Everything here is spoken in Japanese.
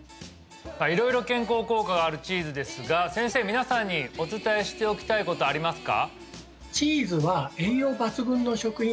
色々健康効果があるチーズですが先生皆さんにお伝えしておきたいことありますか？